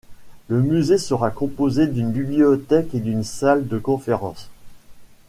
Le musée sera composé d'une bibliothèque et d'une salle de conférences.